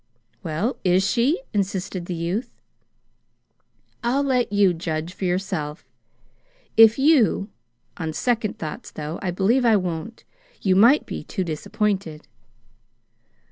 "Well, is she?" insisted the youth. "I'll let you judge for yourself. If you On second thoughts, though, I believe I won't. You might be too disappointed.